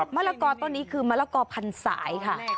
มะละกอต้นนี้คือมะละกอพันสายค่ะ